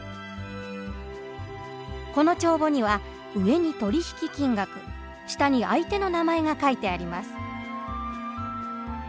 この帳簿には上に取り引き金額下に相手の名前が書いてあります。